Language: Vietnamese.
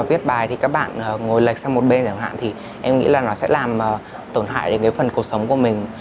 viết bài thì các bạn ngồi lệch sang một bên chẳng hạn thì em nghĩ là nó sẽ làm tổn hại đến cái phần cuộc sống của mình